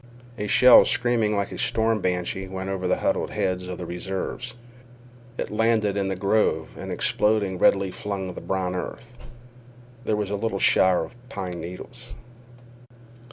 A shell screaming like a storm banshee went over the huddled heads of the reserves. It landed in the grove, and exploding redly flung the brown earth. There was a little shower of pine needles.